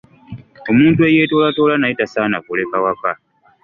Omuntu eyeetoolatoola naye tasaana kuleka waka.